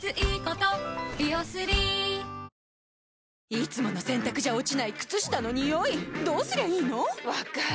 いつもの洗たくじゃ落ちない靴下のニオイどうすりゃいいの⁉分かる。